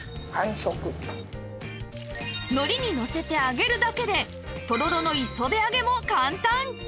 のりにのせて揚げるだけでとろろの磯辺揚げも簡単！